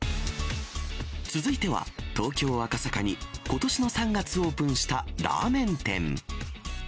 続いては、東京・赤坂にことしの３月オープンしたラーメン店。